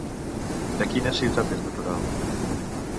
De quina ciutat és natural?